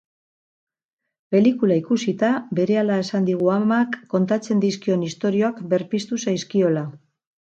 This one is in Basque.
Pelikula ikusita berehala esan digu amak kontatzen dizkion istorioak berpiztu zaizkiola.